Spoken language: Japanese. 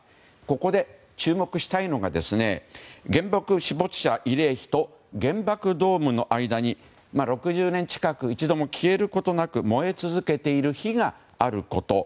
ここで注目したいのが原爆死没者慰霊碑と原爆ドームの間に６０年近く一度も消えることなく燃え続けている火があること。